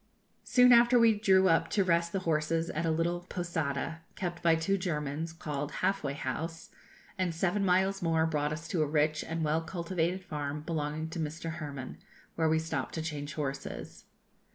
Soon after we drew up to rest the horses at a little posada, kept by two Germans, called 'Half way House,' and seven miles more brought us to a rich and well cultivated farm belonging to Mr. Hermann, where we stopped to change horses.